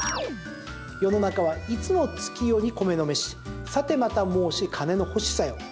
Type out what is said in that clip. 世の中はいつも月夜に米のめしさてまた申し金のほしさよ。